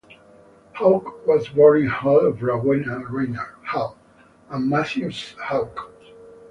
Hawks was born in Hull to Rowena Reynard (Hull) and Matthew Hawks.